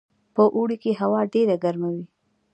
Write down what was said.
په اوړي کې هوا ډیره ګرمه وي